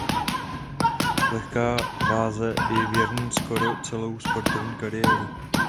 Lehká váze je věrný skoro celou sportovní kariéru.